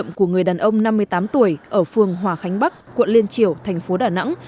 bệnh của người đàn ông năm mươi tám tuổi ở phường hòa khánh bắc quận liên triều thành phố đà nẵng